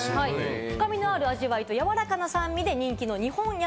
深みのある味わいと柔らかな酸味で人気の日本山